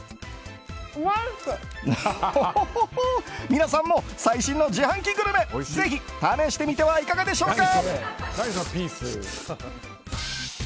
皆さんも最新の自販機グルメぜひ試してみてはいかがでしょうか？